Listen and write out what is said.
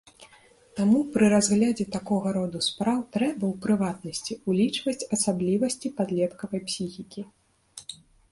Таму пры разглядзе такога роду спраў трэба, у прыватнасці, улічваць асаблівасці падлеткавай псіхікі.